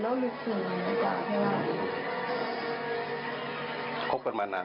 พ่อมีความอยากแต่งงาน